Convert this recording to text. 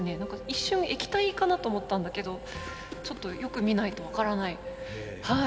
一瞬液体かなと思ったんだけどちょっとよく見ないと分からないはい。